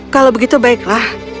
kalau begitu baiklah